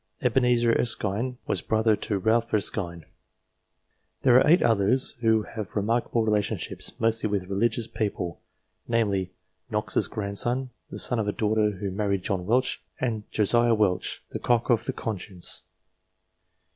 Ebenezer Erskine was brother to Ralph Erskine. There are 8 others who have remarkable relationships, mostly with religious people, namely : Knox's grandson (the son of a daughter who married John Welch) was Josiah Welch, " the cock of the conscience."